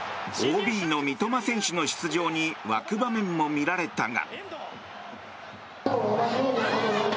ＯＢの三笘選手の出場に沸く場面も見られたが。